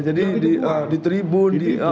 jadi di tribun